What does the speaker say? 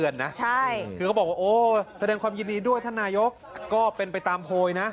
นายกก็เป็นไปตามโพยนะ